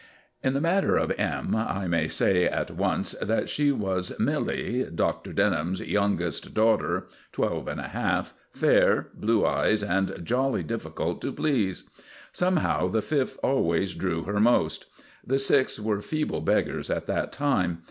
In the matter of M., I may say at once that she was Milly, Doctor Denham's youngest daughter twelve and a half, fair, blue eyes, and jolly difficult to please. Somehow the Fifth always drew her most. The Sixth were feeble beggars at that time.